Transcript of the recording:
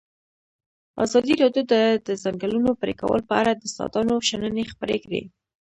ازادي راډیو د د ځنګلونو پرېکول په اړه د استادانو شننې خپرې کړي.